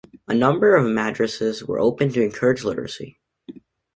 A number of madrasas were opened to encourage literacy.